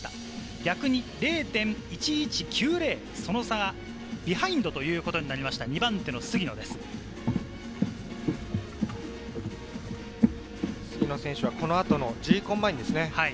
逆に０．１１９０、その差がビハインドということになりました、杉野選手はこの後のＧコンバインですね。